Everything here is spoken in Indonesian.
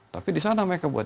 tapi di sana mereka buat